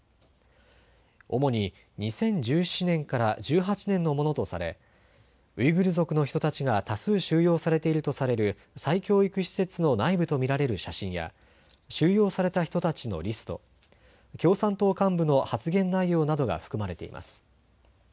主に２０１７年から１８年のものとされウイグル族の人たちが多数収容されているとされる再教育施設の内部と見られる写真や収容された人たちのリスト、共産党幹部の発言内容などが含まれています。